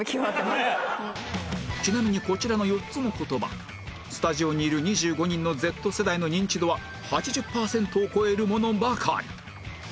ちなみにこちらの４つの言葉スタジオにいる２５人の Ｚ 世代の認知度は８０パーセントを超えるものばかり